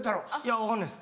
分かんないです